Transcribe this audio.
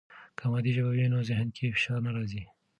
که مادي ژبه وي، نو ذهن کې فشار نه راځي.